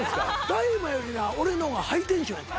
大麻よりな俺の方がハイテンションやった。